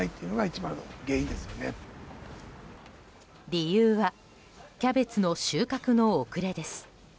理由はキャベツの収穫の遅れです。